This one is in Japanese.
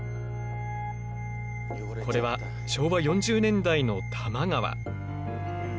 これは昭和４０年代の多摩川。